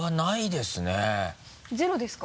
ゼロですか？